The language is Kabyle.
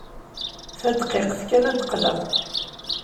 Tadqiqt kan ad d-qqleɣ.